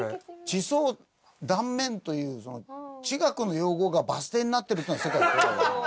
「地層断面」という地学の用語がバス停になってるというのは世界でここだけ。